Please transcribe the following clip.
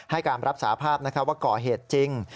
การรับสาภาพว่าก่อเหตุจริง